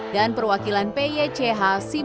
dan perwakilan pych